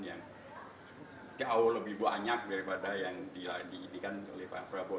yang jauh lebih banyak daripada yang diidikan oleh pak prabowo